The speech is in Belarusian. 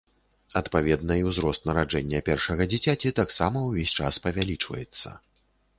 Адпаведна і ўзрост нараджэння першага дзіцяці таксама ўвесь час павялічваецца.